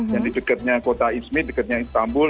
yang di dekatnya kota ismith dekatnya istanbul